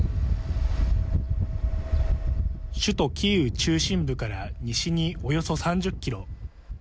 首都キーウ中心部から西に、およそ３０キロ。